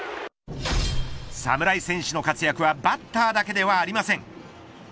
侍戦士の活躍はバッターだけではありません。